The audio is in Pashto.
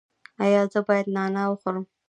ایا زه باید نعناع وخورم؟